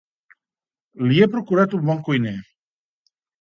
Li he procurat un bon cuiner.